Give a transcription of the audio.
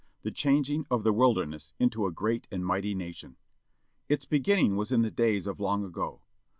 The changing of the wilderness into a great and mighty nation. Its beginning was in the days of long ago.